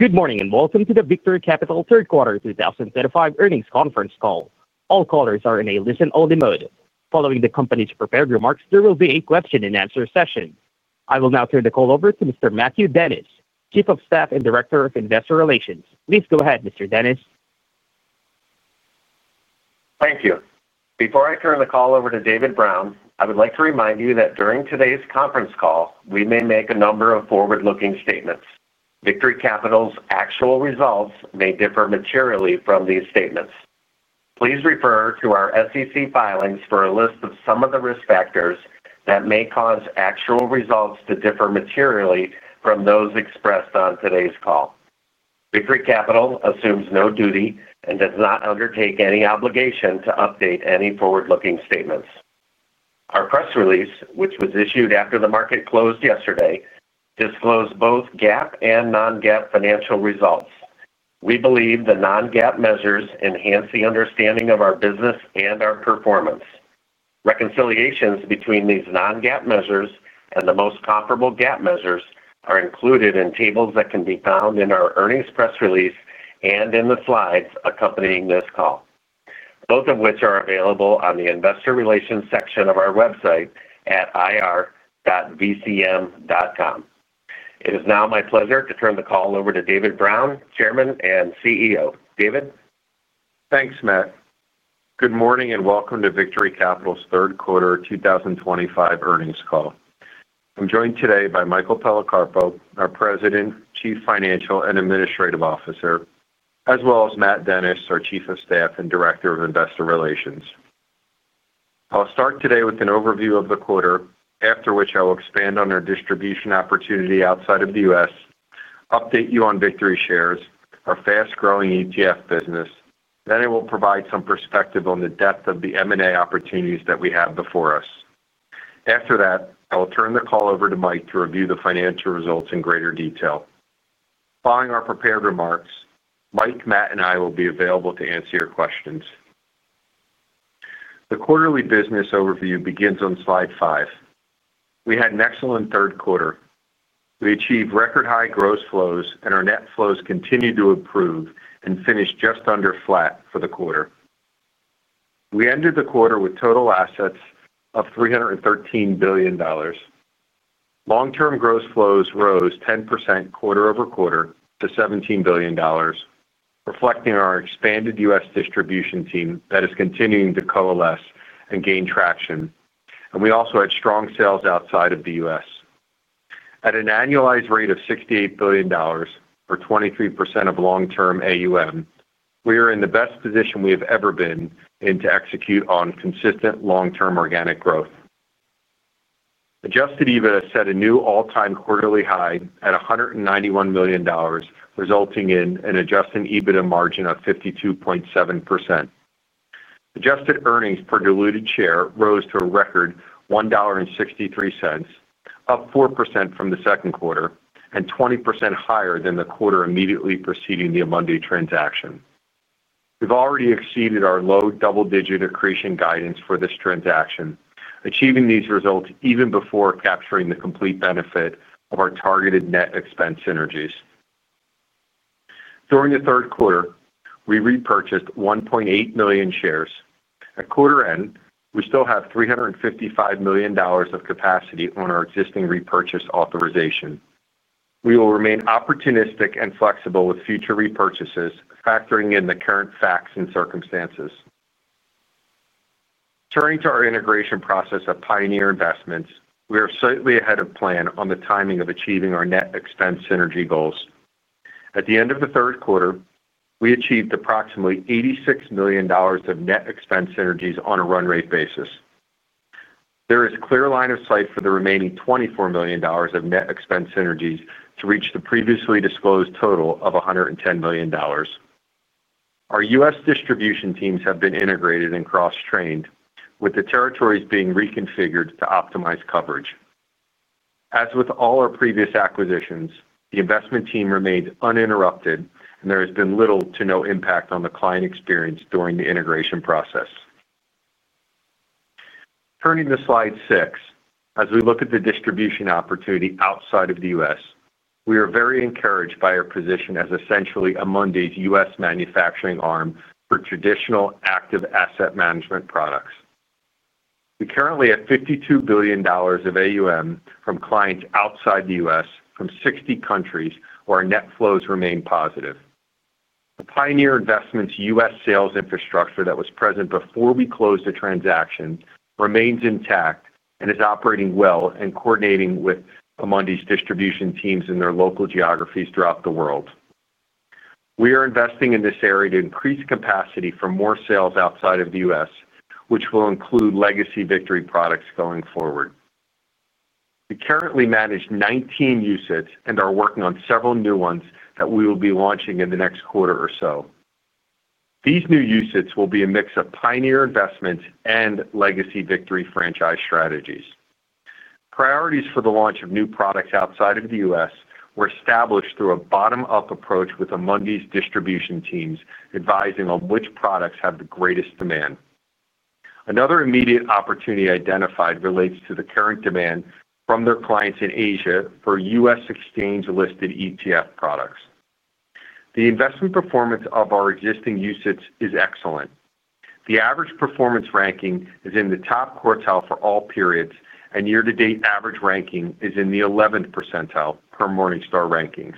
Good morning and welcome to the Victory Capital Third Quarter 2025 Earnings Conference Call. All callers are in a listen-only mode. Following the company's prepared remarks, there will be a question-and-answer session. I will now turn the call over to Mr. Matthew Dennis, Chief of Staff and Director of Investor Relations. Please go ahead, Mr. Dennis. Thank you. Before I turn the call over to David Brown, I would like to remind you that during today's conference call, we may make a number of forward-looking statements. Victory Capital's actual results may differ materially from these statements. Please refer to our SEC filings for a list of some of the risk factors that may cause actual results to differ materially from those expressed on today's call. Victory Capital assumes no duty and does not undertake any obligation to update any forward-looking statements. Our press release, which was issued after the market closed yesterday, disclosed both GAAP and non-GAAP financial results. We believe the non-GAAP measures enhance the understanding of our business and our performance. Reconciliations between these non-GAAP measures and the most comparable GAAP measures are included in tables that can be found in our earnings press release and in the slides accompanying this call, both of which are available on the Investor Relations section of our website at ir.vcm.com. It is now my pleasure to turn the call over to David Brown, Chairman and CEO. David? Thanks, Matt. Good morning and welcome to Victory Capital's third quarter 2025 earnings call. I'm joined today by Michael Policarpo, our President, Chief Financial and Administrative Officer, as well as Matt Dennis, our Chief of Staff and Director of Investor Relations. I'll start today with an overview of the quarter, after which I will expand on our distribution opportunity outside of the U.S., update you on VictoryShares, our fast-growing ETF business, then I will provide some perspective on the depth of the M&A opportunities that we have before us. After that, I will turn the call over to Mike to review the financial results in greater detail. Following our prepared remarks, Mike, Matt, and I will be available to answer your questions. The quarterly business overview begins on slide 5. We had an excellent third quarter. We achieved record-high gross flows, and our net flows continued to improve and finished just under flat for the quarter. We ended the quarter with total assets of $313 billion. Long-term gross flows rose 10% quarter over quarter to $17 billion, reflecting our expanded U.S. distribution team that is continuing to coalesce and gain traction, and we also had strong sales outside of the U.S.. At an annualized rate of $68 billion, or 23% of long-term AUM, we are in the best position we have ever been to execute on consistent long-term organic growth. Adjusted EBITDA set a new all-time quarterly high at $191 million, resulting in an adjusted EBITDA margin of 52.7%. Adjusted earnings per diluted share rose to a record $1.63, up 4% from the second quarter and 20% higher than the quarter immediately preceding the Amundi transaction. We've already exceeded our low double-digit accretion guidance for this transaction, achieving these results even before capturing the complete benefit of our targeted net expense synergies. During the third quarter, we repurchased 1.8 million shares. At quarter end, we still have $355 million of capacity on our existing repurchase authorization. We will remain opportunistic and flexible with future repurchases, factoring in the current facts and circumstances. Turning to our integration process at Pioneer Investments, we are slightly ahead of plan on the timing of achieving our net expense synergy goals. At the end of the third quarter, we achieved approximately $86 million of net expense synergies on a run-rate basis. There is clear line of sight for the remaining $24 million of net expense synergies to reach the previously disclosed total of $110 million. Our U.S. distribution teams have been integrated and cross-trained, with the territories being reconfigured to optimize coverage. As with all our previous acquisitions, the investment team remained uninterrupted, and there has been little to no impact on the client experience during the integration process. Turning to slide 6, as we look at the distribution opportunity outside of the U.S., we are very encouraged by our position as essentially Amundi's U.S. manufacturing arm for traditional active asset management products. We currently have $52 billion of AUM from clients outside the U.S. from 60 countries, where our net flows remain positive. The Pioneer Investments' U.S. sales infrastructure that was present before we closed the transaction remains intact and is operating well and coordinating with Amundi's distribution teams in their local geographies throughout the world. We are investing in this area to increase capacity for more sales outside of the U.S., which will include legacy Victory products going forward. We currently manage 19 UCITS and are working on several new ones that we will be launching in the next quarter or so. These new UCITS will be a mix of Pioneer Investments and legacy Victory franchise strategies. Priorities for the launch of new products outside of the U.S. were established through a bottom-up approach with Amundi's distribution teams advising on which products have the greatest demand. Another immediate opportunity identified relates to the current demand from their clients in Asia for U.S. exchange-listed ETF products. The investment performance of our existing UCITS is excellent. The average performance ranking is in the top quartile for all periods, and year-to-date average ranking is in the 11th percentile per Morningstar rankings.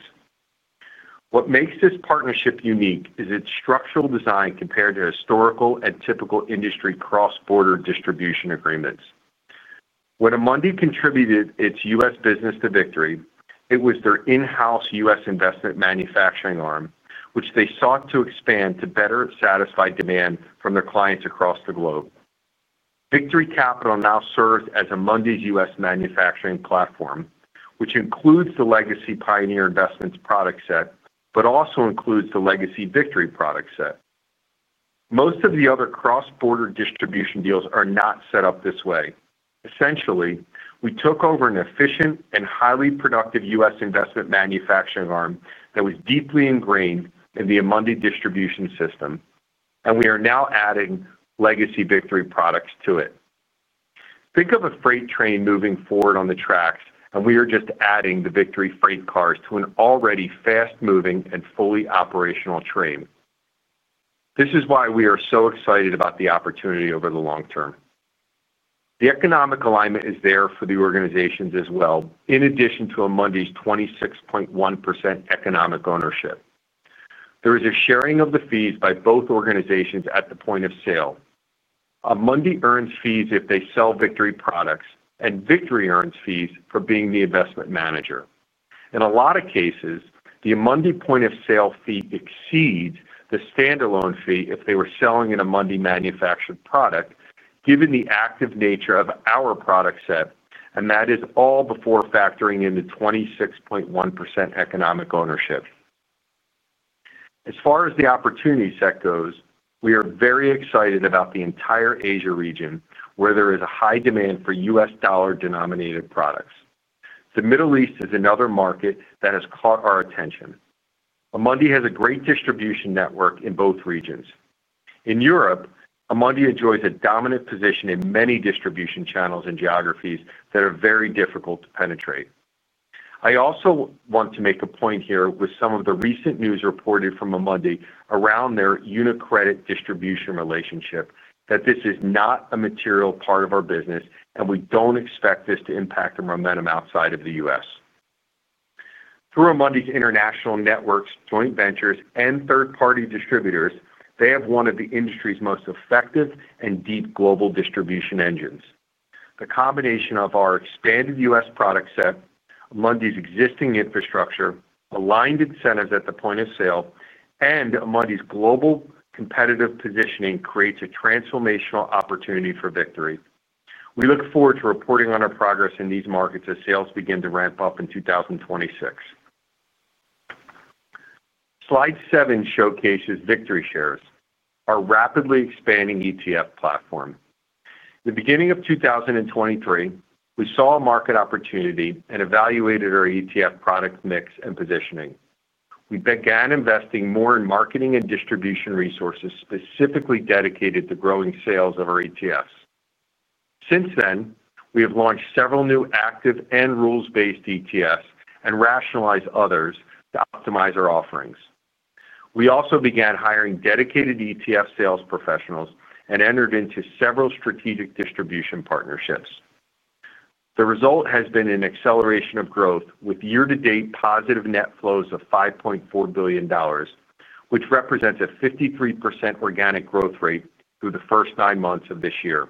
What makes this partnership unique is its structural design compared to historical and typical industry cross-border distribution agreements. When Amundi contributed its U.S. business to Victory, it was their in-house U.S. investment manufacturing arm, which they sought to expand to better satisfy demand from their clients across the globe. Victory Capital now serves as Amundi's U.S. manufacturing platform, which includes the legacy Pioneer Investments product set, but also includes the legacy Victory product set. Most of the other cross-border distribution deals are not set up this way. Essentially, we took over an efficient and highly productive U.S. investment manufacturing arm that was deeply ingrained in the Amundi distribution system, and we are now adding legacy Victory products to it. Think of a freight train moving forward on the tracks, and we are just adding the Victory freight cars to an already fast-moving and fully operational train. This is why we are so excited about the opportunity over the long term. The economic alignment is there for the organizations as well, in addition to Amundi's 26.1% economic ownership. There is a sharing of the fees by both organizations at the point of sale. Amundi earns fees if they sell Victory products, and Victory earns fees for being the investment manager. In a lot of cases, the Amundi point of sale fee exceeds the standalone fee if they were selling an Amundi manufactured product, given the active nature of our product set, and that is all before factoring in the 26.1% economic ownership. As far as the opportunities that goes, we are very excited about the entire Asia region, where there is a high demand for U.S. dollar-denominated products. The Middle East is another market that has caught our attention. Amundi has a great distribution network in both regions. In Europe, Amundi enjoys a dominant position in many distribution channels and geographies that are very difficult to penetrate. I also want to make a point here with some of the recent news reported from Amundi around their UniCredit distribution relationship that this is not a material part of our business, and we do not expect this to impact the momentum outside of the U.S. Through Amundi's international networks, joint ventures, and third-party distributors, they have one of the industry's most effective and deep global distribution engines. The combination of our expanded U.S. product set, Amundi's existing infrastructure, aligned incentives at the point of sale, and Amundi's global competitive positioning creates a transformational opportunity for Victory. We look forward to reporting on our progress in these markets as sales begin to ramp up in 2026. Slide 7 showcases VictoryShares, our rapidly expanding ETF platform. In the beginning of 2023, we saw a market opportunity and evaluated our ETF product mix and positioning. We began investing more in marketing and distribution resources specifically dedicated to growing sales of our ETFs. Since then, we have launched several new active and rules-based ETFs and rationalized others to optimize our offerings. We also began hiring dedicated ETF sales professionals and entered into several strategic distribution partnerships. The result has been an acceleration of growth with year-to-date positive net flows of $5.4 billion, which represents a 53% organic growth rate through the first nine months of this year.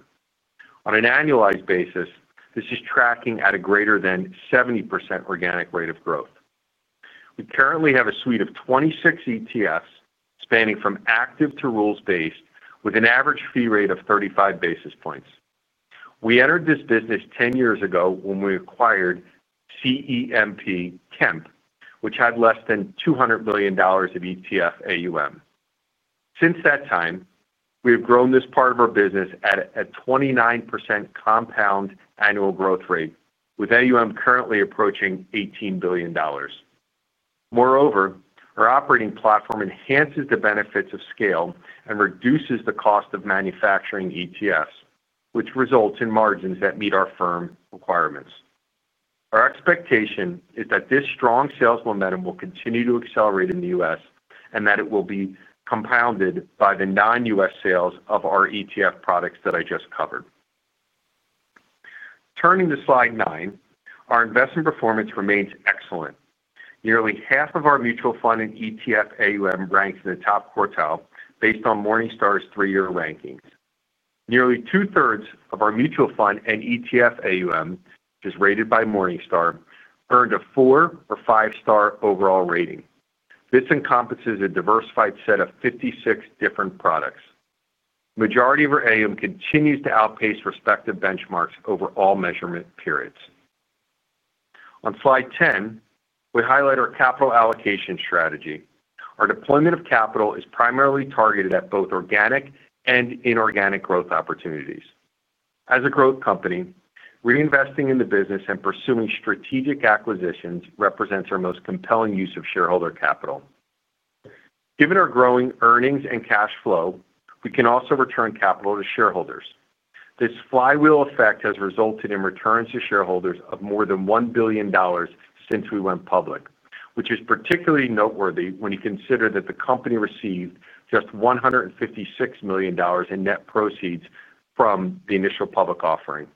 On an annualized basis, this is tracking at a greater than 70% organic rate of growth. We currently have a suite of 26 ETFs spanning from active to rules-based, with an average fee rate of 35 basis points. We entered this business 10 years ago when we acquired CEMP Kemp, which had less than $200 million of ETF AUM. Since that time, we have grown this part of our business at a 29% compound annual growth rate, with AUM currently approaching $18 billion. Moreover, our operating platform enhances the benefits of scale and reduces the cost of manufacturing ETFs, which results in margins that meet our firm requirements. Our expectation is that this strong sales momentum will continue to accelerate in the U.S. and that it will be compounded by the non-U.S. sales of our ETF products that I just covered. Turning to slide 9, our investment performance remains excellent. Nearly half of our mutual fund and ETF AUM ranks in the top quartile based on Morningstar's three-year rankings. Nearly 2/3 of our mutual fund and ETF AUM, as rated by Morningstar, earned a four or five-star overall rating. This encompasses a diversified set of 56 different products. The majority of our AUM continues to outpace respective benchmarks over all measurement periods. On slide 10, we highlight our capital allocation strategy. Our deployment of capital is primarily targeted at both organic and inorganic growth opportunities. As a growth company, reinvesting in the business and pursuing strategic acquisitions represents our most compelling use of shareholder capital. Given our growing earnings and cash flow, we can also return capital to shareholders. This flywheel effect has resulted in returns to shareholders of more than $1 billion since we went public, which is particularly noteworthy when you consider that the company received just $156 million in net proceeds from the initial public offering.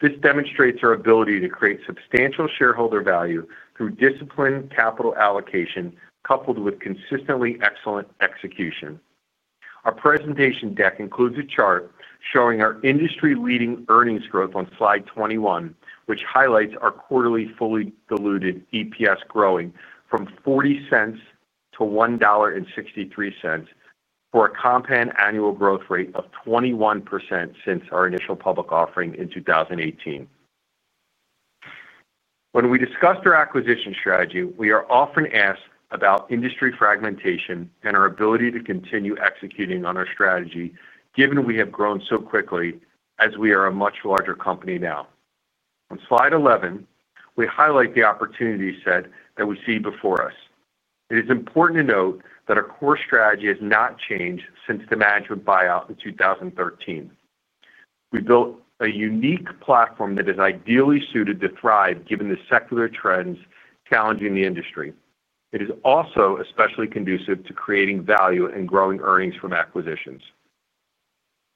This demonstrates our ability to create substantial shareholder value through disciplined capital allocation coupled with consistently excellent execution. Our presentation deck includes a chart showing our industry-leading earnings growth on slide 21, which highlights our quarterly fully diluted EPS growing from $0.40 to $1.63 for a compound annual growth rate of 21% since our initial public offering in 2018. When we discussed our acquisition strategy, we are often asked about industry fragmentation and our ability to continue executing on our strategy, given we have grown so quickly as we are a much larger company now. On slide 11, we highlight the opportunity set that we see before us. It is important to note that our core strategy has not changed since the management buyout in 2013. We built a unique platform that is ideally suited to thrive given the secular trends challenging the industry. It is also especially conducive to creating value and growing earnings from acquisitions.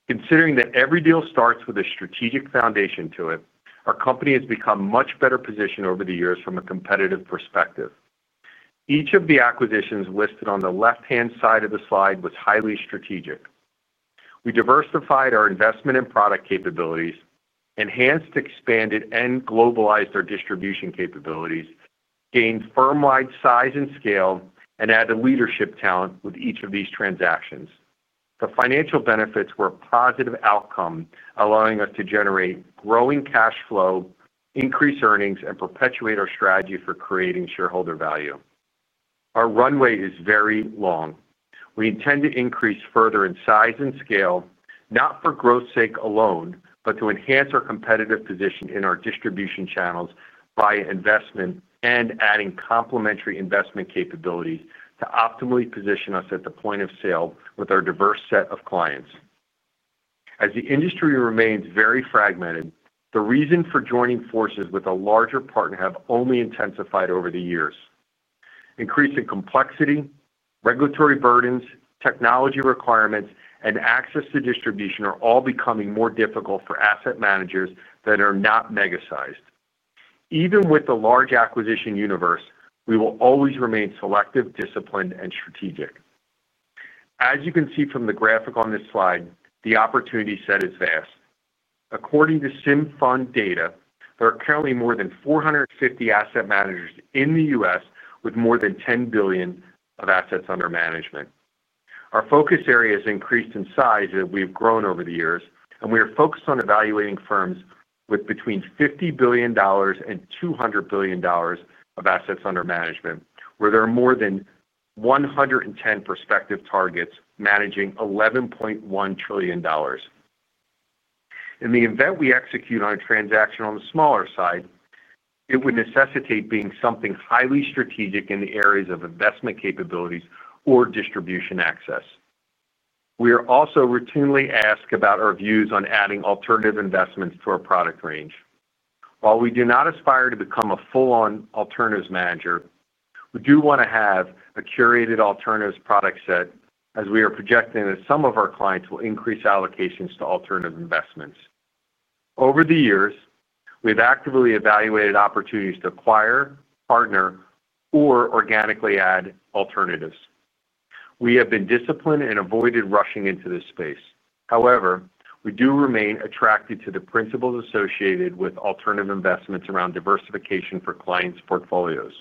Considering that every deal starts with a strategic foundation to it, our company has become much better positioned over the years from a competitive perspective. Each of the acquisitions listed on the left-hand side of the slide was highly strategic. We diversified our investment and product capabilities, enhanced, expanded, and globalized our distribution capabilities, gained firm-wide size and scale, and added leadership talent with each of these transactions. The financial benefits were a positive outcome, allowing us to generate growing cash flow, increase earnings, and perpetuate our strategy for creating shareholder value. Our runway is very long. We intend to increase further in size and scale, not for growth's sake alone, but to enhance our competitive position in our distribution channels by investment and adding complementary investment capabilities to optimally position us at the point of sale with our diverse set of clients. As the industry remains very fragmented, the reason for joining forces with a larger partner has only intensified over the years. Increasing complexity, regulatory burdens, technology requirements, and access to distribution are all becoming more difficult for asset managers that are not mega-sized. Even with the large acquisition universe, we will always remain selective, disciplined, and strategic. As you can see from the graphic on this slide, the opportunity set is vast. According to Simfund data, there are currently more than 450 asset managers in the U.S. with more than $10 billion of assets under management. Our focus area has increased in size as we have grown over the years, and we are focused on evaluating firms with between $50 billion and $200 billion of assets under management, where there are more than 110 prospective targets managing $11.1 trillion. In the event we execute on a transaction on the smaller side, it would necessitate being something highly strategic in the areas of investment capabilities or distribution access. We are also routinely asked about our views on adding alternative investments to our product range. While we do not aspire to become a full-on alternatives manager, we do want to have a curated alternatives product set, as we are projecting that some of our clients will increase allocations to alternative investments. Over the years, we have actively evaluated opportunities to acquire, partner, or organically add alternatives. We have been disciplined and avoided rushing into this space. However, we do remain attracted to the principles associated with alternative investments around diversification for clients' portfolios.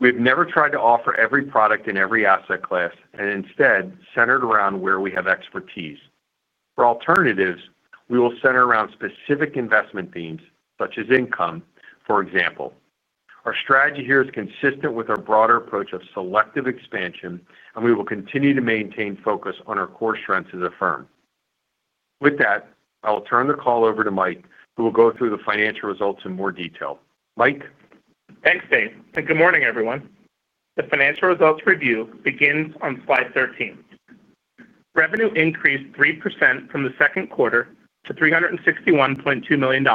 We have never tried to offer every product in every asset class and instead centered around where we have expertise. For alternatives, we will center around specific investment themes, such as income, for example. Our strategy here is consistent with our broader approach of selective expansion, and we will continue to maintain focus on our core strengths as a firm. With that, I will turn the call over to Mike, who will go through the financial results in more detail. Mike. Thanks, Dave. Good morning, everyone. The financial results review begins on slide 13. Revenue increased 3% from the second quarter to $361.2 million.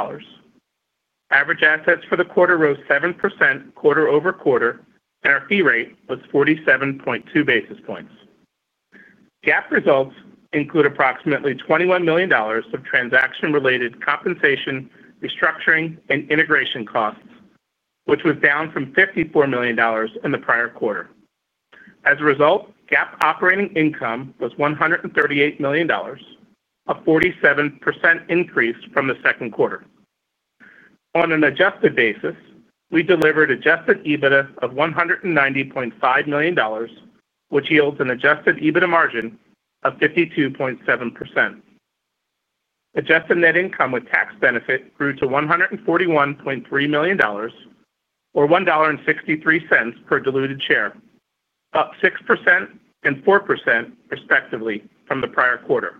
Average assets for the quarter rose 7% quarter over quarter, and our fee rate was 47.2 basis points. GAAP results include approximately $21 million of transaction-related compensation, restructuring, and integration costs, which was down from $54 million in the prior quarter. As a result, GAAP operating income was $138 million, a 47% increase from the second quarter. On an adjusted basis, we delivered adjusted EBITDA of $190.5 million, which yields an adjusted EBITDA margin of 52.7%. Adjusted net income with tax benefit grew to $141.3 million, or $1.63 per diluted share, up 6% and 4%, respectively, from the prior quarter.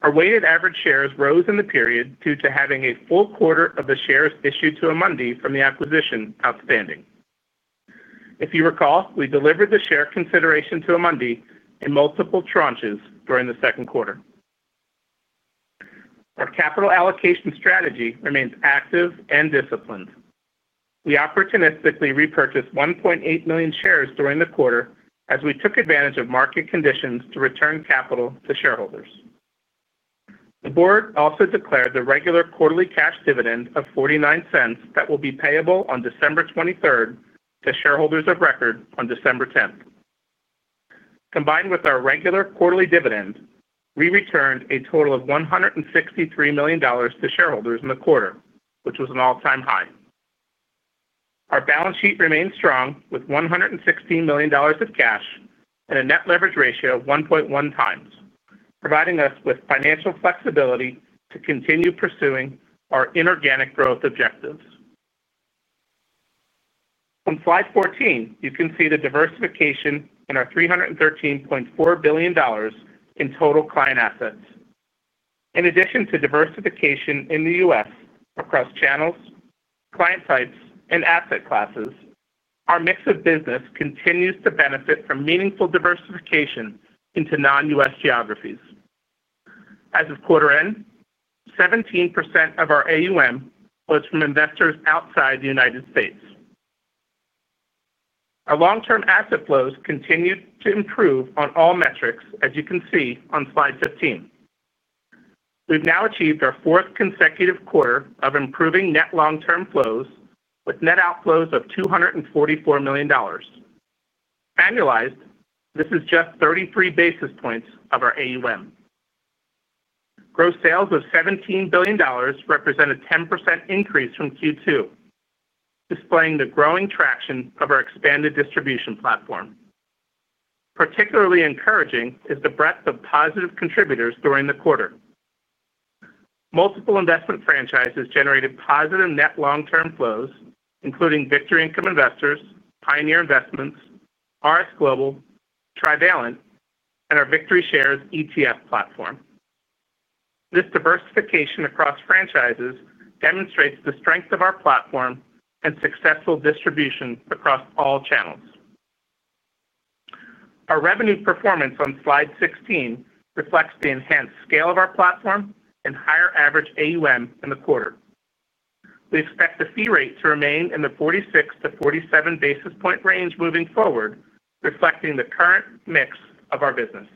Our weighted average shares rose in the period due to having a full quarter of the shares issued to Amundi from the acquisition outstanding. If you recall, we delivered the share consideration to Amundi in multiple tranches during the second quarter. Our capital allocation strategy remains active and disciplined. We opportunistically repurchased 1.8 million shares during the quarter as we took advantage of market conditions to return capital to shareholders. The board also declared the regular quarterly cash dividend of $0.49 that will be payable on December 23rd to shareholders of record on December 10th. Combined with our regular quarterly dividend, we returned a total of $163 million to shareholders in the quarter, which was an all-time high. Our balance sheet remains strong with $116 million of cash and a net leverage ratio of 1.1x, providing us with financial flexibility to continue pursuing our inorganic growth objectives. On slide 14, you can see the diversification in our $313.4 billion in total client assets. In addition to diversification in the U.S. across channels, client types, and asset classes, our mix of business continues to benefit from meaningful diversification into non-U.S. geographies. As of quarter end, 17% of our AUM was from investors outside the United States. Our long-term asset flows continue to improve on all metrics, as you can see on slide 15. We've now achieved our fourth consecutive quarter of improving net long-term flows with net outflows of $244 million. Annualized, this is just 33 basis points of our AUM. Gross sales of $17 billion represent a 10% increase from Q2, displaying the growing traction of our expanded distribution platform. Particularly encouraging is the breadth of positive contributors during the quarter. Multiple investment franchises generated positive net long-term flows, including Victory Income Investors, Pioneer Investments, RS Global, Trivalent, and our VictoryShares ETF platform. This diversification across franchises demonstrates the strength of our platform and successful distribution across all channels. Our revenue performance on slide 16 reflects the enhanced scale of our platform and higher average AUM in the quarter. We expect the fee rate to remain in the 46-47 basis point range moving forward, reflecting the current mix of our business.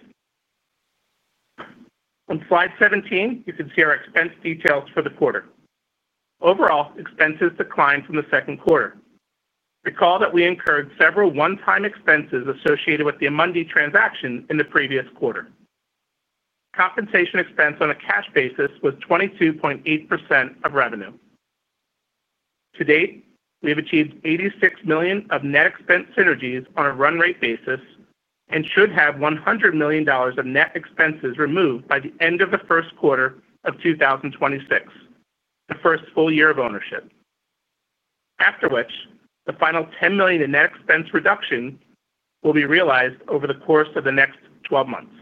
On slide 17, you can see our expense details for the quarter. Overall, expenses declined from the second quarter. Recall that we incurred several one-time expenses associated with the Amundi transaction in the previous quarter. Compensation expense on a cash basis was 22.8% of revenue. To date, we have achieved $86 million of net expense synergies on a run rate basis and should have $100 million of net expenses removed by the end of the first quarter of 2026, the first full year of ownership, after which the final $10 million in net expense reduction will be realized over the course of the next 12 months.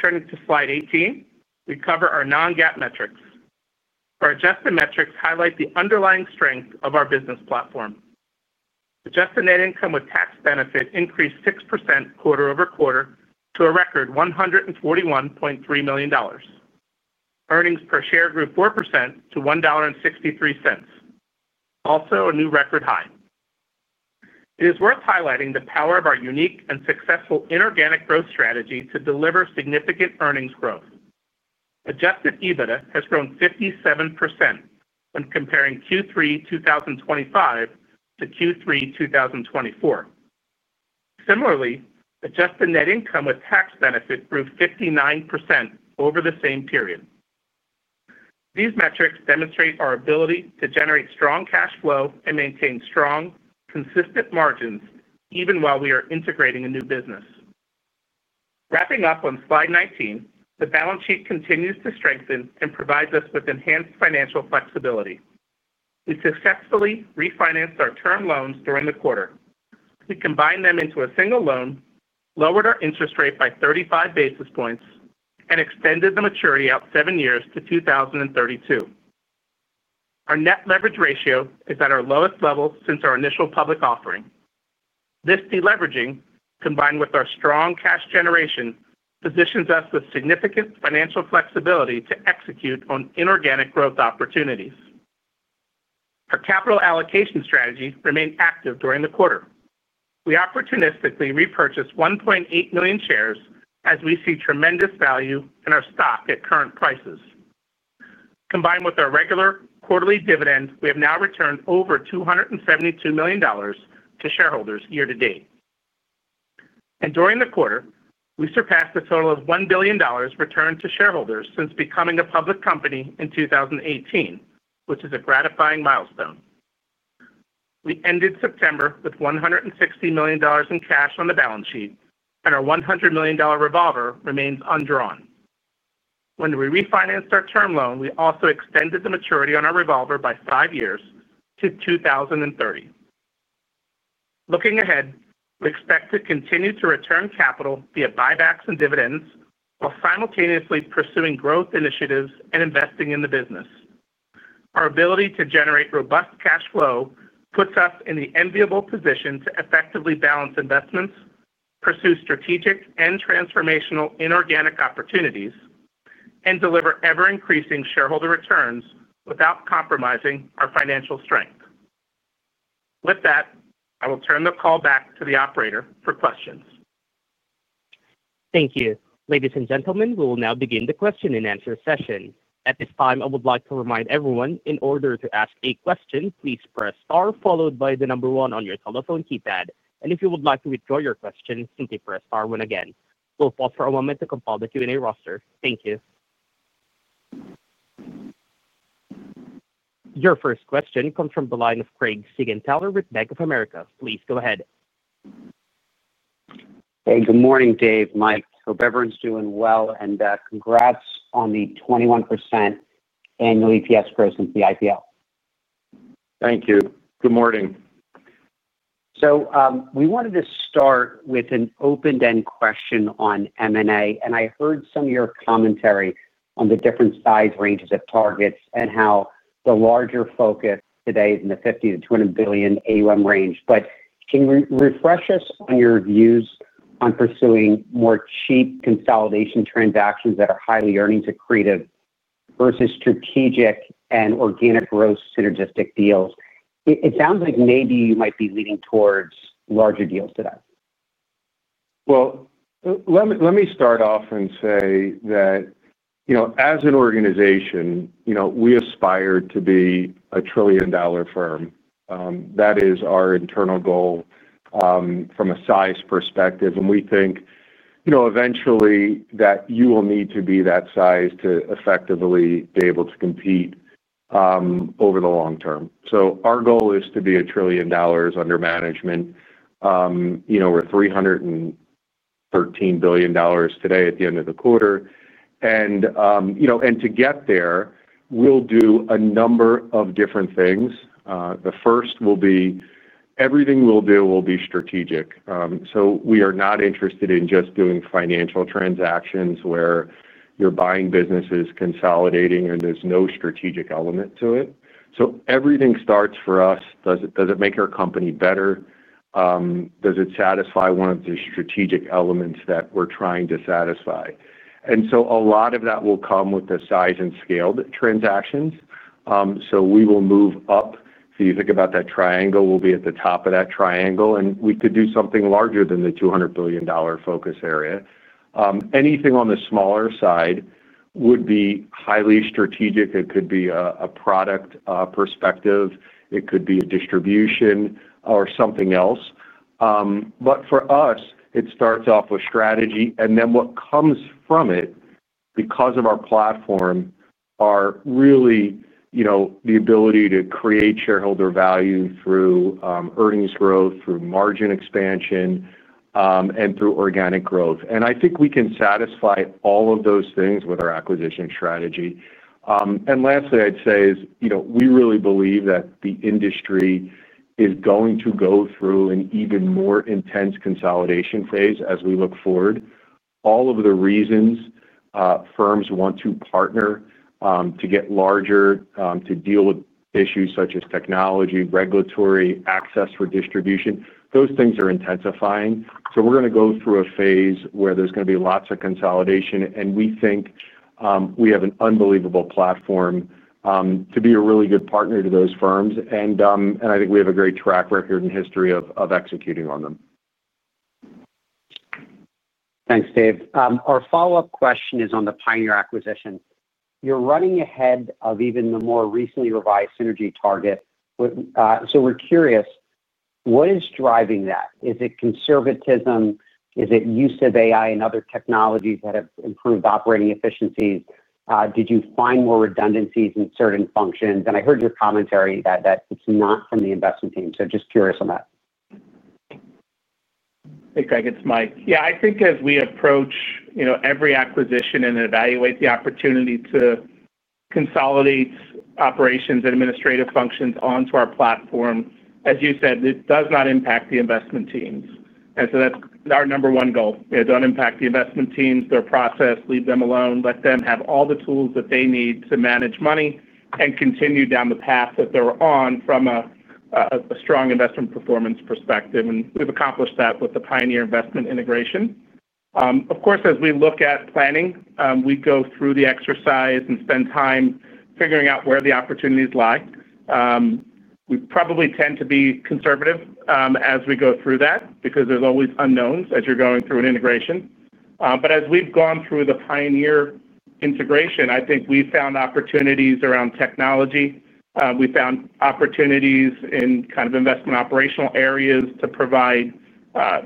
Turning to slide 18, we cover our non-GAAP metrics. Our adjusted metrics highlight the underlying strength of our business platform. Adjusted net income with tax benefit increased 6% quarter over quarter to a record $141.3 million. Earnings per share grew 4% to $1.63, also a new record high. It is worth highlighting the power of our unique and successful inorganic growth strategy to deliver significant earnings growth. Adjusted EBITDA has grown 57% when comparing Q3 2025 to Q3 2024. Similarly, adjusted net income with tax benefit grew 59% over the same period. These metrics demonstrate our ability to generate strong cash flow and maintain strong, consistent margins even while we are integrating a new business. Wrapping up on slide 19, the balance sheet continues to strengthen and provides us with enhanced financial flexibility. We successfully refinanced our term loans during the quarter. We combined them into a single loan, lowered our interest rate by 35 basis points, and extended the maturity out seven years to 2032. Our net leverage ratio is at our lowest level since our initial public offering. This deleveraging, combined with our strong cash generation, positions us with significant financial flexibility to execute on inorganic growth opportunities. Our capital allocation strategy remained active during the quarter. We opportunistically repurchased 1.8 million shares as we see tremendous value in our stock at current prices. Combined with our regular quarterly dividend, we have now returned over $272 million to shareholders year to date. During the quarter, we surpassed a total of $1 billion returned to shareholders since becoming a public company in 2018, which is a gratifying milestone. We ended September with $160 million in cash on the balance sheet, and our $100 million revolver remains undrawn. When we refinanced our term loan, we also extended the maturity on our revolver by five years to 2030. Looking ahead, we expect to continue to return capital via buybacks and dividends while simultaneously pursuing growth initiatives and investing in the business. Our ability to generate robust cash flow puts us in the enviable position to effectively balance investments, pursue strategic and transformational inorganic opportunities, and deliver ever-increasing shareholder returns without compromising our financial strength. With that, I will turn the call back to the operator for questions. Thank you. Ladies and gentlemen, we will now begin the question and answer session. At this time, I would like to remind everyone in order to ask a question, please press star followed by the number one on your telephone keypad. If you would like to withdraw your question, simply press star one again. We'll pause for a moment to compile the Q&A roster. Thank you. Your first question comes from the line of Craig Siegenthaler with Bank of America. Please go ahead. Hey, good morning, Dave, Mike. I hope everyone's doing well, and congrats on the 21% annual EPS growth since the IPO. Thank you. Good morning. We wanted to start with an open-ended question on M&A, and I heard some of your commentary on the different size ranges of targets and how the larger focus today is in the $50 billion-$200 billion AUM range. Can you refresh us on your views on pursuing more cheap consolidation transactions that are highly earnings accretive versus strategic and organic growth synergistic deals? It sounds like maybe you might be leaning towards larger deals today. Let me start off and say that as an organization, we aspire to be $1 trillion firm. That is our internal goal from a size perspective, and we think eventually that you will need to be that size to effectively be able to compete over the long term. Our goal is to be $1 trillion under management. We're $313 billion today at the end of the quarter. To get there, we'll do a number of different things. The first will be everything we'll do will be strategic. We are not interested in just doing financial transactions where you're buying businesses, consolidating, and there's no strategic element to it. Everything starts for us. Does it make our company better? Does it satisfy one of the strategic elements that we're trying to satisfy? A lot of that will come with the size and scale transactions. We will move up. You think about that triangle. We'll be at the top of that triangle, and we could do something larger than the $200 billion focus area. Anything on the smaller side would be highly strategic. It could be a product perspective. It could be a distribution or something else. For us, it starts off with strategy, and then what comes from it, because of our platform, are really the ability to create shareholder value through earnings growth, through margin expansion, and through organic growth. I think we can satisfy all of those things with our acquisition strategy. Lastly, I'd say is we really believe that the industry is going to go through an even more intense consolidation phase as we look forward. All of the reasons firms want to partner to get larger, to deal with issues such as technology, regulatory, access for distribution, those things are intensifying. We're going to go through a phase where there's going to be lots of consolidation, and we think we have an unbelievable platform to be a really good partner to those firms. I think we have a great track record and history of executing on them. Thanks, Dave. Our follow-up question is on the Pioneer acquisition. You're running ahead of even the more recently revised synergy target. We're curious, what is driving that? Is it conservatism? Is it use of AI and other technologies that have improved operating efficiencies? Did you find more redundancies in certain functions? I heard your commentary that it's not from the investment team. Just curious on that. Hey, Craig, it's Mike. Yeah, I think as we approach every acquisition and evaluate the opportunity to consolidate operations and administrative functions onto our platform, as you said, it does not impact the investment teams. That is our number one goal. It does not impact the investment teams, their process, leave them alone, let them have all the tools that they need to manage money and continue down the path that they are on from a strong investment performance perspective. We have accomplished that with the Pioneer Investment integration. Of course, as we look at planning, we go through the exercise and spend time figuring out where the opportunities lie. We probably tend to be conservative as we go through that because there are always unknowns as you are going through an integration. As we have gone through the Pioneer integration, I think we found opportunities around technology. We found opportunities in kind of investment operational areas to provide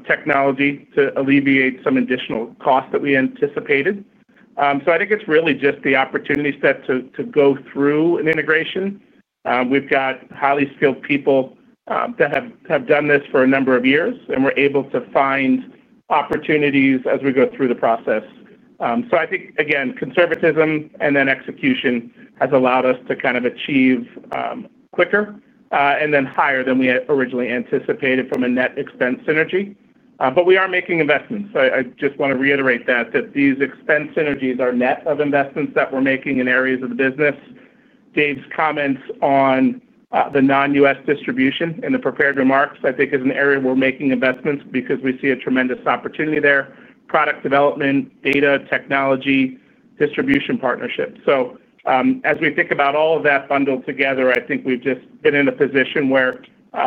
technology to alleviate some additional costs that we anticipated. I think it is really just the opportunity set to go through an integration. We have highly skilled people that have done this for a number of years, and we are able to find opportunities as we go through the process. I think, again, conservatism and then execution has allowed us to kind of achieve quicker and then higher than we had originally anticipated from a net expense synergy. We are making investments. I just want to reiterate that these expense synergies are net of investments that we are making in areas of the business. Dave's comments on the non-U.S. distribution and the prepared remarks, I think, is an area we are making investments because we see a tremendous opportunity there. Product development, data, technology, distribution partnership. As we think about all of that bundled together, I think we've just been in a position where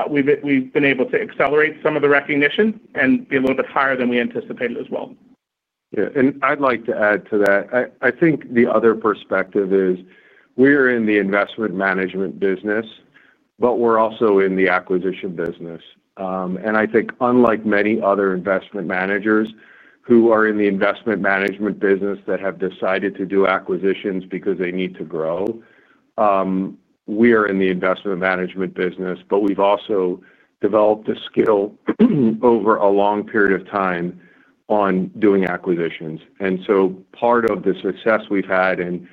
we've been able to accelerate some of the recognition and be a little bit higher than we anticipated as well. Yeah. I'd like to add to that. I think the other perspective is we're in the investment management business, but we're also in the acquisition business. I think, unlike many other investment managers who are in the investment management business that have decided to do acquisitions because they need to grow, we are in the investment management business, but we've also developed a skill over a long period of time on doing acquisitions. Part of the success we've had in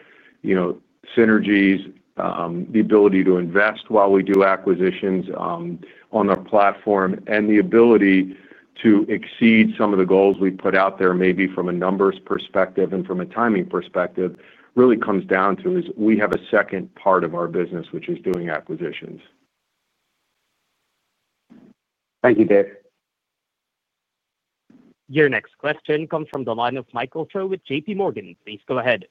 synergies, the ability to invest while we do acquisitions on our platform, and the ability to exceed some of the goals we've put out there, maybe from a numbers perspective and from a timing perspective, really comes down to is we have a second part of our business, which is doing acquisitions. Thank you, Dave. Your next question comes from the line of Michael Cho with JP Morgan. Please go ahead.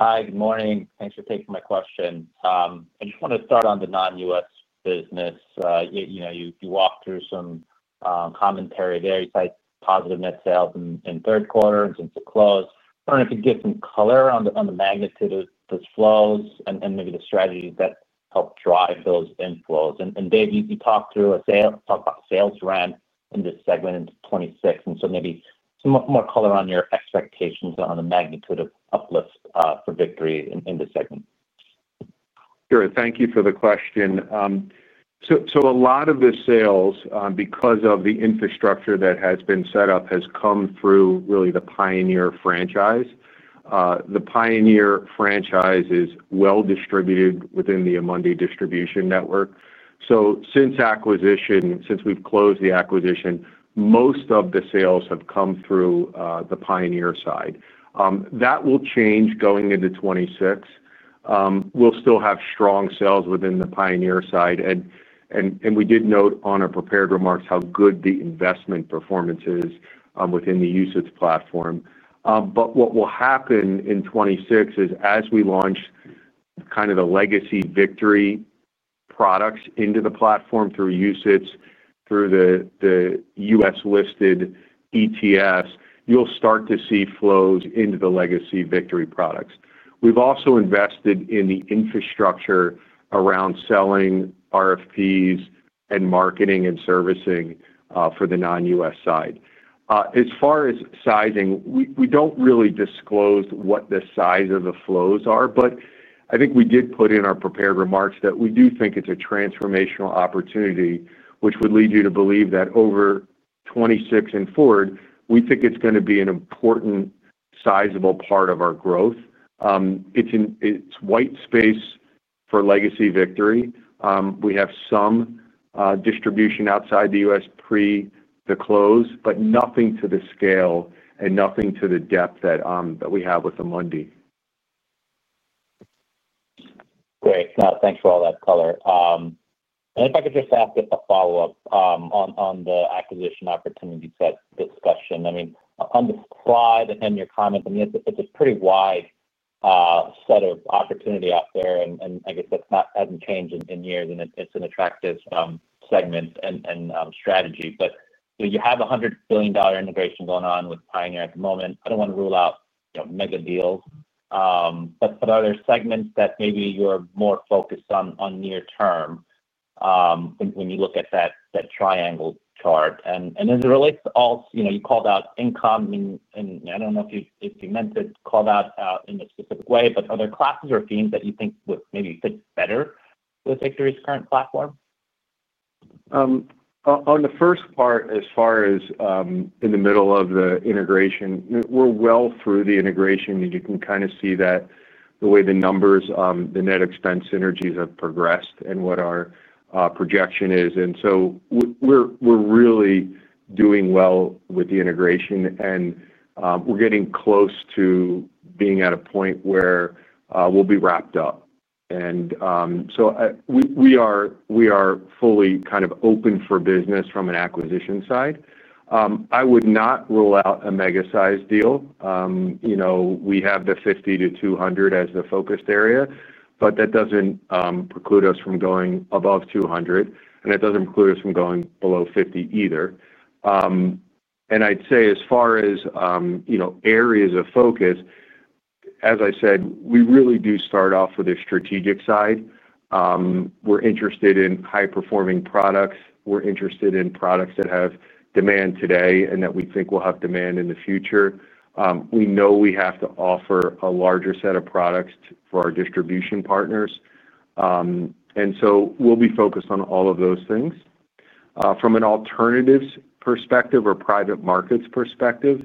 Hi, good morning. Thanks for taking my question. I just want to start on the non-U.S. business. You walked through some commentary there. You said positive net sales in third quarter and since it closed. I wonder if you could get some color on the magnitude of those flows and maybe the strategies that help drive those inflows. And Dave, you talked about sales RAM in this segment in 2026. Maybe some more color on your expectations on the magnitude of uplift for Victory in this segment. Sure. Thank you for the question. A lot of the sales, because of the infrastructure that has been set up, has come through really the Pioneer franchise. The Pioneer franchise is well distributed within the Amundi distribution network. Since acquisition, since we have closed the acquisition, most of the sales have come through the Pioneer side. That will change going into 2026. We will still have strong sales within the Pioneer side. We did note on our prepared remarks how good the investment performance is within the UCITS platform. What will happen in 2026 is, as we launch kind of the legacy Victory products into the platform through UCITS, through the U.S.-listed ETFs, you will start to see flows into the legacy Victory products. We've also invested in the infrastructure around selling RFPs and marketing and servicing for the non-U.S. side. As far as sizing, we do not really disclose what the size of the flows are, but I think we did put in our prepared remarks that we do think it is a transformational opportunity, which would lead you to believe that over 2026 and forward, we think it is going to be an important sizable part of our growth. It is white space for legacy Victory. We have some distribution outside the U.S. pre the close, but nothing to the scale and nothing to the depth that we have with Amundi. Great. Thanks for all that color. If I could just ask a follow-up on the acquisition opportunity discussion. I mean, on the slide and your comments, I mean, it's a pretty wide set of opportunity out there, and I guess that hasn't changed in years, and it's an attractive segment and strategy. You have a $100 billion integration going on with Pioneer at the moment. I don't want to rule out mega deals. Are there segments that maybe you're more focused on near-term when you look at that triangle chart? As it relates to all, you called out income, and I don't know if you meant it called out in a specific way, but are there classes or themes that you think would maybe fit better with Victory's current platform? On the first part, as far as in the middle of the integration, we're well through the integration, and you can kind of see that the way the numbers, the net expense synergies have progressed and what our projection is. We are really doing well with the integration, and we're getting close to being at a point where we'll be wrapped up. We are fully kind of open for business from an acquisition side. I would not rule out a mega-sized deal. We have the $50 billion-$200 billion as the focused area, but that does not preclude us from going above $200 billion, and it does not preclude us from going below $50 billion either. I'd say, as far as areas of focus, as I said, we really do start off with the strategic side. We're interested in high-performing products. We're interested in products that have demand today and that we think will have demand in the future. We know we have to offer a larger set of products for our distribution partners. We will be focused on all of those things. From an alternatives perspective or private markets perspective,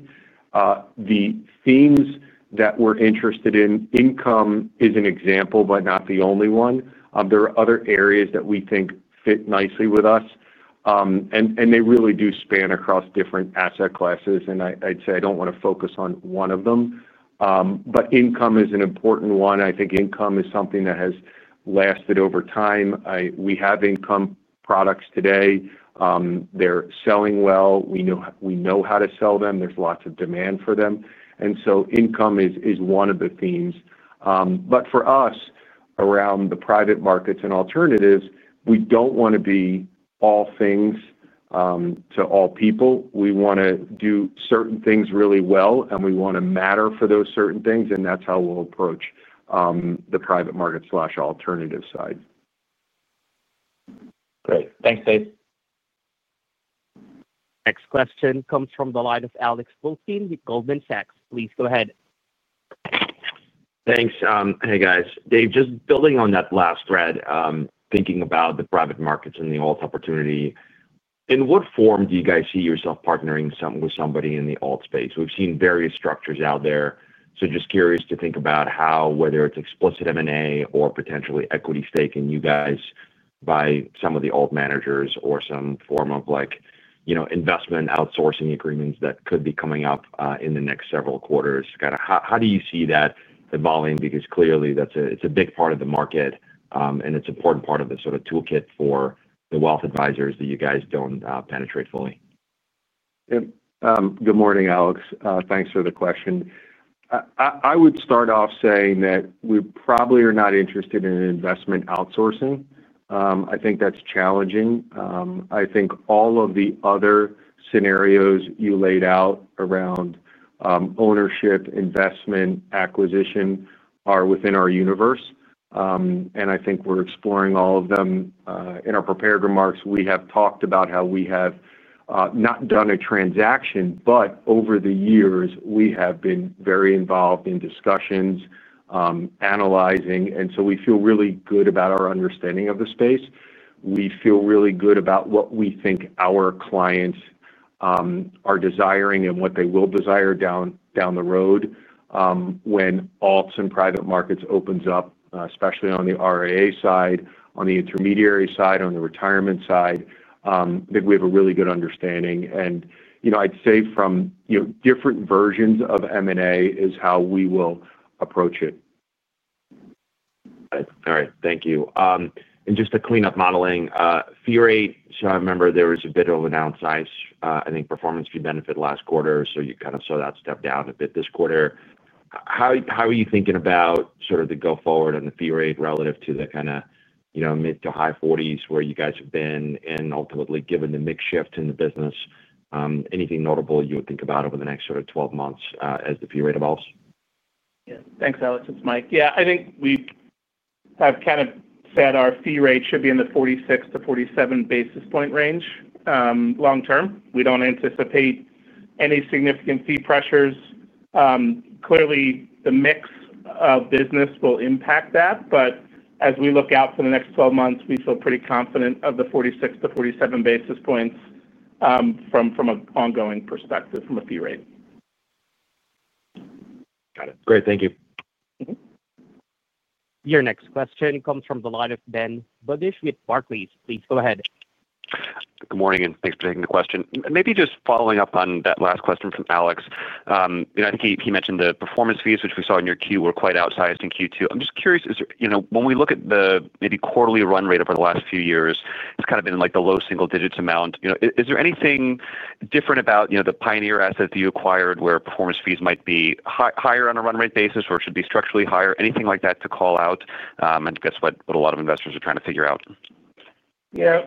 the themes that we're interested in, income is an example, but not the only one. There are other areas that we think fit nicely with us, and they really do span across different asset classes. I would say I do not want to focus on one of them. Income is an important one. I think income is something that has lasted over time. We have income products today. They're selling well. We know how to sell them. There is lots of demand for them. Income is one of the themes. For us, around the private markets and alternatives, we do not want to be all things to all people. We want to do certain things really well, and we want to matter for those certain things. That is how we will approach the private market/alternative side. Great. Thanks, Dave. Next question comes from the line of Alex Blostein with Goldman Sachs. Please go ahead. Thanks. Hey, guys. Dave, just building on that last thread, thinking about the private markets and the alt opportunity, in what form do you guys see yourself partnering with somebody in the alt space? We have seen various structures out there. Just curious to think about how, whether it is explicit M&A or potentially equity staking you guys by some of the alt managers or some form of investment outsourcing agreements that could be coming up in the next several quarters. Kind of how do you see that evolving? Because clearly, it's a big part of the market, and it's an important part of the sort of toolkit for the wealth advisors that you guys don't penetrate fully. Good morning, Alex. Thanks for the question. I would start off saying that we probably are not interested in investment outsourcing. I think that's challenging. I think all of the other scenarios you laid out around ownership, investment, acquisition are within our universe. I think we're exploring all of them. In our prepared remarks, we have talked about how we have not done a transaction, but over the years, we have been very involved in discussions, analyzing. We feel really good about our understanding of the space. We feel really good about what we think our clients are desiring and what they will desire down the road when alts and private markets open up, especially on the RAA side, on the intermediary side, on the retirement side. I think we have a really good understanding. I would say from different versions of M&A is how we will approach it. All right. Thank you. Just to clean up modeling, fee rate, I remember there was a bit of an outsized, I think, performance fee benefit last quarter. You kind of saw that step down a bit this quarter. How are you thinking about sort of the go-forward on the fee rate relative to the kind of mid to high 40s where you guys have been and ultimately given the mix shift in the business? Anything notable you would think about over the next sort of 12 months as the fee rate evolves? Yeah. Thanks, Alex. It's Mike. Yeah. I think we have kind of said our fee rate should be in the 46-47 basis point range long-term. We do not anticipate any significant fee pressures. Clearly, the mix of business will impact that. As we look out for the next 12 months, we feel pretty confident of the 46-47 basis points from an ongoing perspective from a fee rate. Got it. Great. Thank you. Your next question comes from the line of Ben Buddish with Barclays. Please go ahead. Good morning, and thanks for taking the question. Maybe just following up on that last question from Alex. I think he mentioned the performance fees, which we saw in your Q, were quite outsized in Q2. I'm just curious, when we look at the maybe quarterly run rate over the last few years, it's kind of been like the low single digits amount. Is there anything different about the Pioneer assets you acquired where performance fees might be higher on a run rate basis or should be structurally higher? Anything like that to call out and guess what a lot of investors are trying to figure out? Yeah.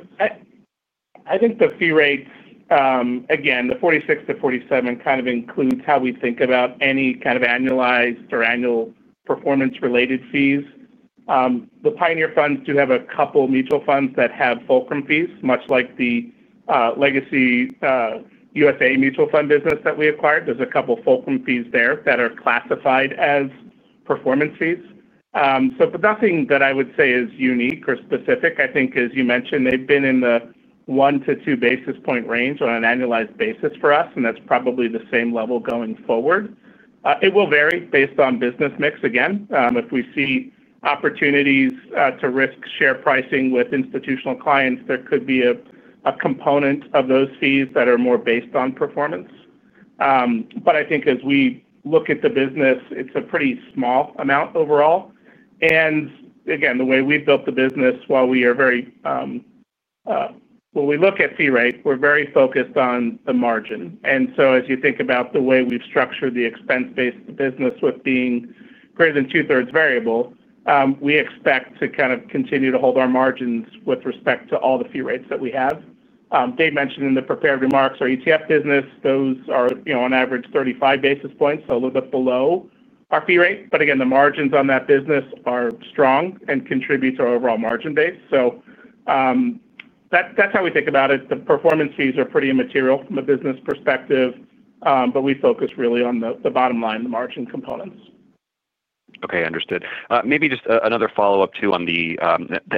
I think the fee rates, again, the 46-47 kind of includes how we think about any kind of annualized or annual performance-related fees. The Pioneer funds do have a couple of mutual funds that have fulcrum fees, much like the legacy U.S.A. mutual fund business that we acquired. There's a couple of fulcrum fees there that are classified as performance fees. So nothing that I would say is unique or specific. I think, as you mentioned, they have been in the 1-2 basis point range on an annualized basis for us, and that is probably the same level going forward. It will vary based on business mix. Again, if we see opportunities to risk share pricing with institutional clients, there could be a component of those fees that are more based on performance. I think as we look at the business, it is a pretty small amount overall. Again, the way we have built the business, while we are very, when we look at fee rate, we are very focused on the margin. As you think about the way we have structured the expense-based business with being greater than 2/3 variable, we expect to kind of continue to hold our margins with respect to all the fee rates that we have. Dave mentioned in the prepared remarks our ETF business, those are on average 35 basis points, so a little bit below our fee rate. The margins on that business are strong and contribute to our overall margin base. That is how we think about it. The performance fees are pretty immaterial from a business perspective, but we focus really on the bottom line, the margin components. Okay. Understood. Maybe just another follow-up too on the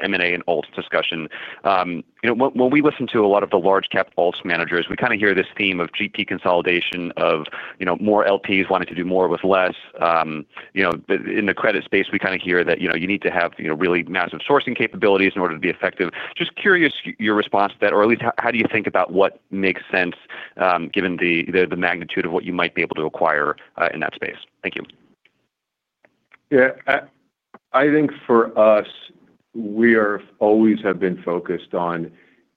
M&A and alts discussion. When we listen to a lot of the large-cap alts managers, we kind of hear this theme of GP consolidation, of more LPs wanting to do more with less. In the credit space, we kind of hear that you need to have really massive sourcing capabilities in order to be effective. Just curious your response to that, or at least how do you think about what makes sense given the magnitude of what you might be able to acquire in that space? Thank you. Yeah. I think for us, we always have been focused on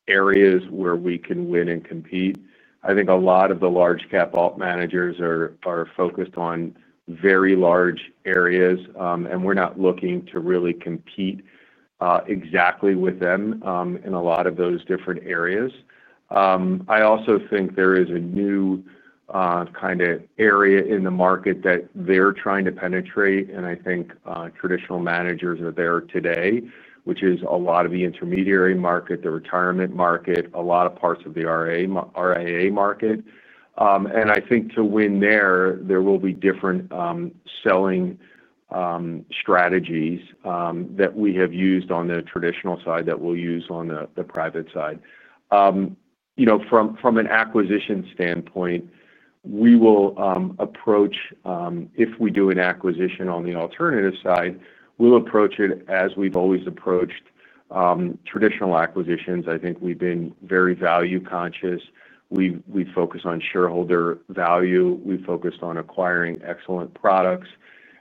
areas where we can win and compete. I think a lot of the large-cap alt managers are focused on very large areas, and we're not looking to really compete exactly with them in a lot of those different areas. I also think there is a new kind of area in the market that they're trying to penetrate, and I think traditional managers are there today, which is a lot of the intermediary market, the retirement market, a lot of parts of the RAA market. I think to win there, there will be different selling strategies that we have used on the traditional side that we'll use on the private side. From an acquisition standpoint, we will approach if we do an acquisition on the alternative side, we'll approach it as we've always approached traditional acquisitions. I think we've been very value-conscious. We focus on shareholder value. We focus on acquiring excellent products,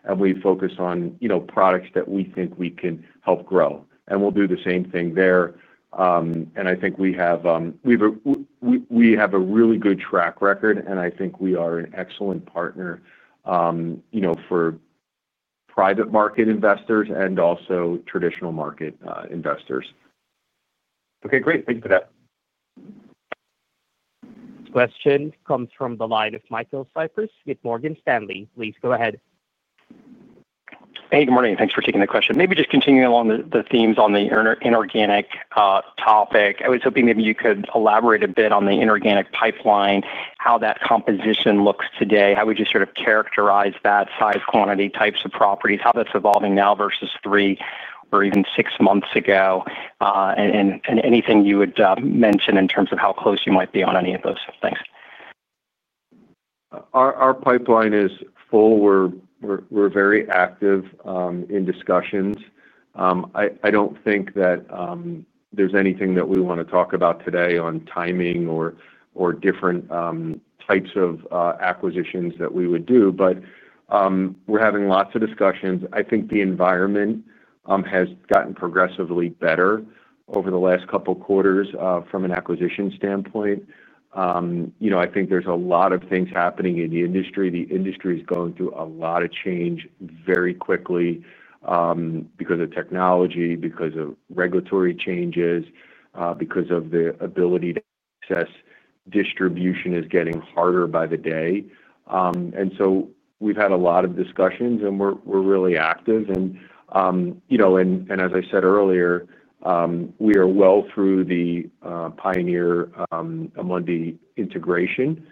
and we focus on products that we think we can help grow. We'll do the same thing there. I think we have a really good track record, and I think we are an excellent partner for private market investors and also traditional market investors. Okay. Great. Thank you for that. Next question comes from the line of Michael Cyprys with Morgan Stanley. Please go ahead. Hey. Good morning. Thanks for taking the question. Maybe just continuing along the themes on the inorganic topic. I was hoping maybe you could elaborate a bit on the inorganic pipeline, how that composition looks today, how would you sort of characterize that size, quantity, types of properties, how that's evolving now versus three or even six months ago, and anything you would mention in terms of how close you might be on any of those things. Our pipeline is full. We're very active in discussions. I don't think that there's anything that we want to talk about today on timing or different types of acquisitions that we would do, but we're having lots of discussions. I think the environment has gotten progressively better over the last couple of quarters from an acquisition standpoint. I think there's a lot of things happening in the industry. The industry is going through a lot of change very quickly because of technology, because of regulatory changes, because the ability to access distribution is getting harder by the day. We have had a lot of discussions, and we are really active. As I said earlier, we are well through the Pioneer, Amundi integration.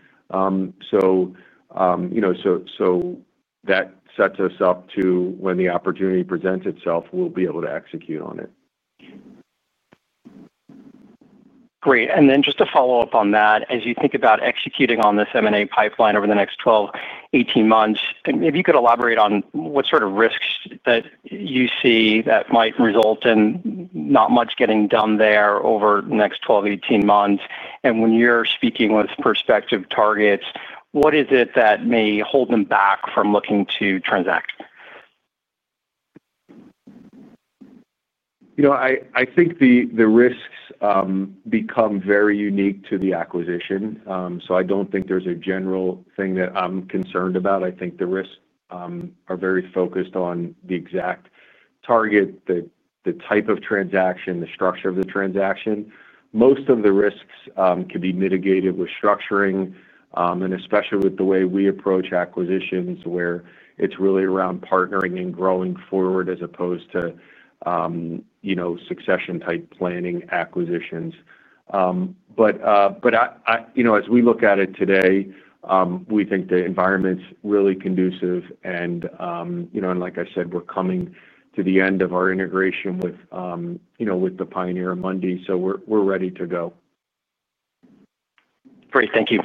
That sets us up to, when the opportunity presents itself, be able to execute on it. Great. Just to follow up on that, as you think about executing on this M&A pipeline over the next 12-18 months, maybe you could elaborate on what sort of risks you see that might result in not much getting done there over the next 12-18 months. When you are speaking with prospective targets, what is it that may hold them back from looking to transact? I think the risks become very unique to the acquisition. I do not think there is a general thing that I am concerned about. I think the risks are very focused on the exact target, the type of transaction, the structure of the transaction. Most of the risks can be mitigated with structuring, and especially with the way we approach acquisitions where it is really around partnering and growing forward as opposed to succession-type planning acquisitions. As we look at it today, we think the environment is really conducive. Like I said, we are coming to the end of our integration with the Pioneer, Amundi, so we are ready to go. Great. Thank you.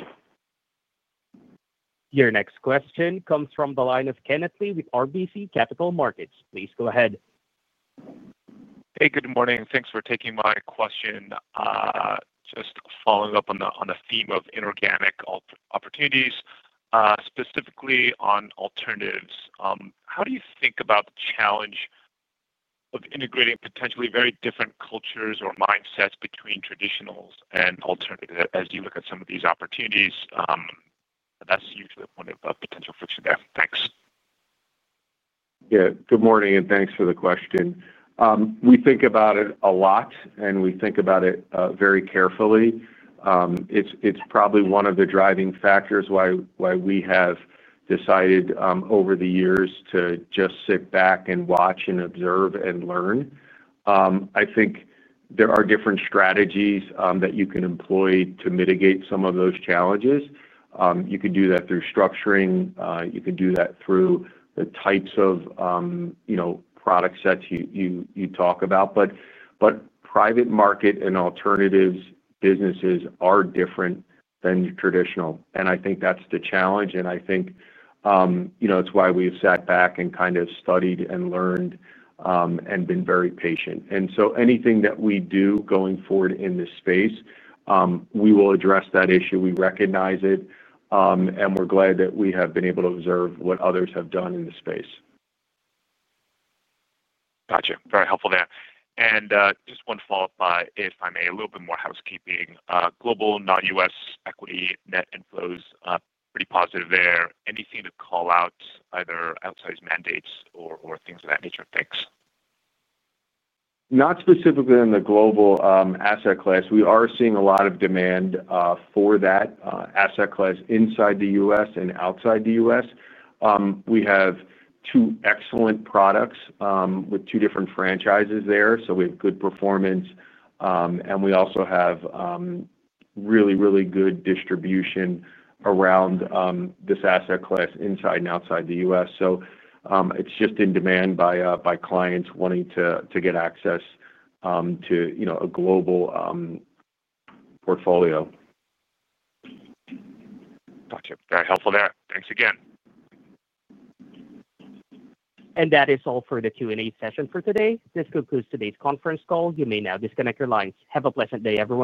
Your next question comes from the line of Kenneth Lee with RBC Capital Markets. Please go ahead. Hey. Good morning. Thanks for taking my question. Just following up on the theme of inorganic opportunities, specifically on alternatives. How do you think about the challenge of integrating potentially very different cultures or mindsets between traditionals and alternatives as you look at some of these opportunities? That's usually one of the potential frictions there. Thanks. Yeah. Good morning, and thanks for the question. We think about it a lot, and we think about it very carefully. It's probably one of the driving factors why we have decided over the years to just sit back and watch and observe and learn. I think there are different strategies that you can employ to mitigate some of those challenges. You can do that through structuring. You can do that through the types of product sets you talk about. Private market and alternatives businesses are different than traditional. I think that's the challenge. I think it's why we've sat back and kind of studied and learned and been very patient. Anything that we do going forward in this space, we will address that issue. We recognize it, and we are glad that we have been able to observe what others have done in the space. Gotcha. Very helpful there. Just one follow-up, if I may, a little bit more housekeeping. Global, non-U.S. equity net inflows, pretty positive there. Anything to call out, either outsized mandates or things of that nature? Thanks. Not specifically in the global asset class. We are seeing a lot of demand for that asset class inside the U.S. and outside the U.S. We have two excellent products with two different franchises there. We have good performance, and we also have really, really good distribution around this asset class inside and outside the U.S. It is just in demand by clients wanting to get access to a global portfolio. Got it. Very helpful there. Thanks again. That is all for the Q&A session for today. This concludes today's conference call. You may now disconnect your lines. Have a pleasant day, everyone.